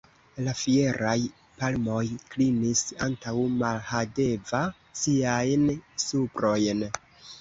La fieraj palmoj klinis antaŭ Mahadeva siajn suprojn.